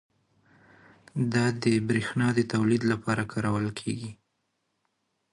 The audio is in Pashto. دا د بریښنا د تولید لپاره کارول کېږي.